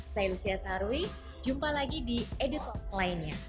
saya lucia sarwi jumpa lagi di edutalk lainnya